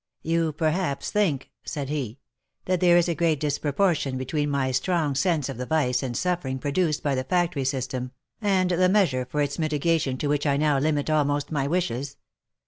" You perhaps think," said he, " that there is a great disproportion between my strong sense of the vice and suffering produced by the factory system, and the measure for its mitigation to which I now limit almost my wishes.